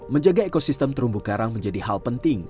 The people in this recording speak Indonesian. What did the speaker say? menjaga ekosistem terumbu karang menjadi hal penting